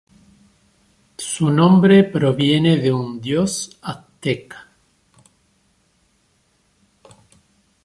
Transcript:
Su nombre proviene de un dios azteca.